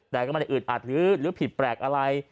แต่ก็ไม่ได้อึดอัดหรือผิดแปลกอะไร